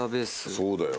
そうだよ。